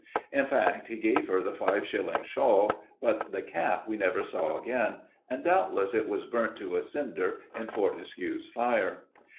In fact, he gave her the five shilling shawl, but the cap we never saw again, and doubtless it was burnt to a cinder in Fortescue's fire.